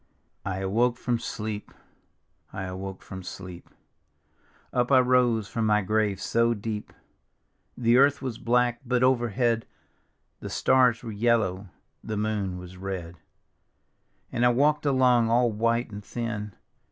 I awoke from sleep, I awoke from sleep, Up I rose from my grave so deep! The earth was black, but overhead The stars were yellow, the moon was red ; And I walk'd along all white and thin.